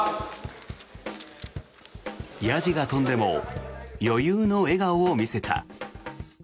やじが飛んでも余裕の笑顔を見せた。